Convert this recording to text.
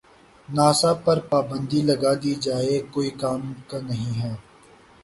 NASA پر پابندی لگا دی جاۓ کوئی کام کا نہیں ہے